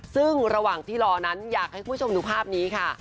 ซึ่งระหว่างที่รอนั้นอยากให้คุณผู้ชมดูภาพนี้ค่ะ